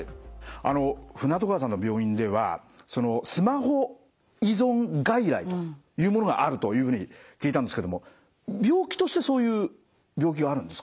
あの舩渡川さんの病院ではスマホ依存外来というものがあるというふうに聞いたんですけども病気としてそういう病気があるんですか？